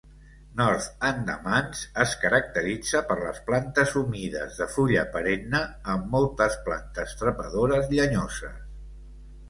North Andamans es caracteritza per les plantes humides de fulla perenne, amb moltes plantes trepadores llenyoses.